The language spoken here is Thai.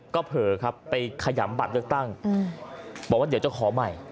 ก็เผลอครับไปขยำบัตรเลือกตั้งบอกว่าเดี๋ยวจะขอใหม่